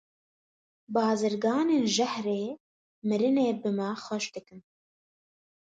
Bazirganên jehrê mirinê bi me xweş dikin.